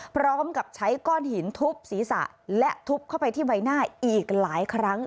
พร้อมกับใช้ก้อนหินทุบศีรษะและทุบเข้าไปที่ใบหน้าอีกหลายครั้ง